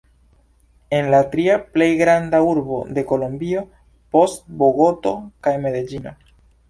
En la tria plej granda urbo de Kolombio, post Bogoto kaj Medeĝino.